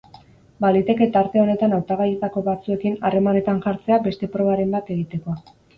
Baliteke tarte honetan hautagaietako batzuekin harremanetan jartzea beste probaren bat egiteko.